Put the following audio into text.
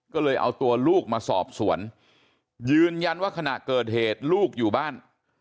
ก็เลยเอาตัวลูกมาสอบสวนยืนยันว่าขณะเกิดเหตุลูกอยู่บ้าน